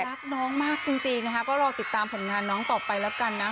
รักน้องมากจริงนะคะก็รอติดตามผลงานน้องต่อไปแล้วกันนะ